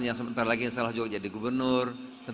yang sebentar lagi salah juga jadi gubernur